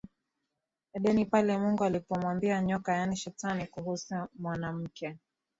Edeni pale Mungu alipomwambia nyoka yaani shetani kuhusu mwanamke